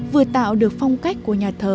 vừa tạo được phong cách của nhà thờ